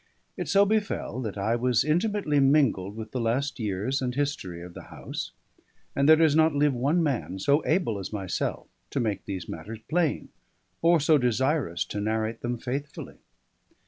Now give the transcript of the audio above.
It so befell that I was intimately mingled with the last years and history of the house; and there does not live one man so able as myself to make these matters plain, or so desirous to narrate them faithfully.